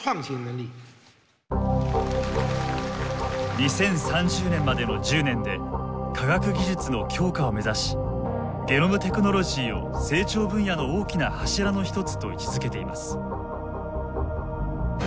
２０３０年までの１０年で科学技術の強化を目指しゲノムテクノロジーを成長分野の大きな柱の一つと位置づけています。